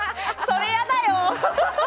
それやだよ！